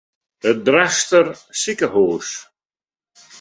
It Drachtster sikehûs.